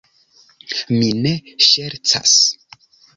Mi ne ŝercas.